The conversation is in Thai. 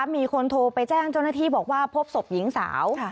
มีคนโทรไปแจ้งเจ้าหน้าที่บอกว่าพบศพหญิงสาว